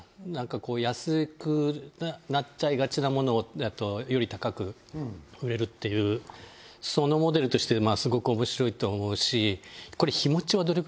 こう安くなっちゃいがちなものだとより高く売れるっていうそのモデルとしてすごくおもしろいと思うし。